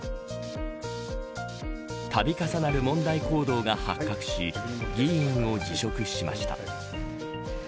度重なる問題行動が発覚し議員を辞職しました。